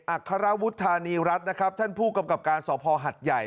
อัครวุฒานีรัฐนะครับท่านผู้กำกับการสภหัดใหญ่